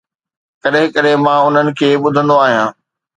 ڪڏهن ڪڏهن مان انهن کي ٻڌندو آهيان.